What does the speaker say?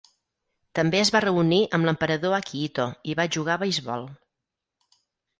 També es va reunir amb l'emperador Akihito i va jugar a beisbol.